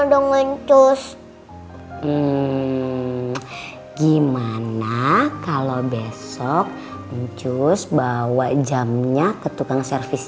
dong lentus gimana kalau besok mencus bawa jamnya ke tukang servis